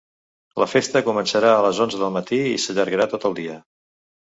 La festa començarà a les onze del matí i s’allargarà tot el dia.